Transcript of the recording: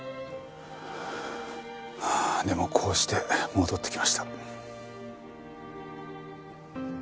でもこうして戻ってきました。